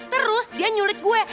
terus dia nyulit gue